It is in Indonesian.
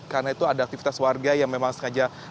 karena itu ada aktivitas warga yang memang sengaja